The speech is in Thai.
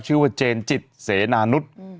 ชื่อว่าเจนจิตเสนานุษย์